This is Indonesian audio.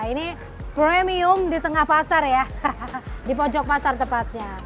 ini premium di tengah pasar ya di pojok pasar tepatnya